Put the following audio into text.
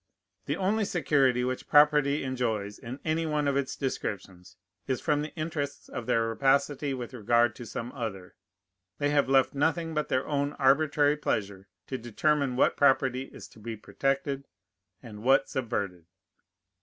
The only security which property enjoys in any one of its descriptions is from the interests of their rapacity with regard to some other. They have left nothing but their own arbitrary pleasure to determine what property is to be protected and what subverted.